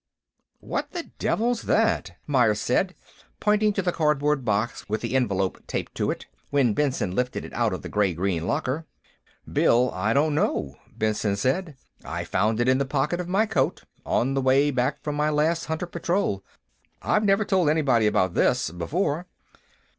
"What the devil's that?" Myers said, pointing to the cardboard box with the envelope taped to it, when Benson lifted it out of the gray green locker. "Bill, I don't know," Benson said. "I found it in the pocket of my coat, on my way back from my last hunter patrol.... I've never told anybody about this, before."